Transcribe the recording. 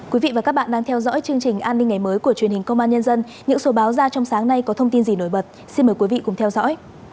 quý vị và các bạn đang theo dõi chương trình an ninh ngày mới của truyền hình công an nhân dân những số báo ra trong sáng nay có thông tin gì nổi bật xin mời quý vị cùng theo dõi